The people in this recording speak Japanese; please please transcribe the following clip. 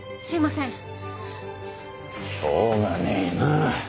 すいません。